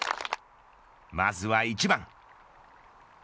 まずは１番。